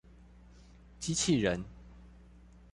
機器人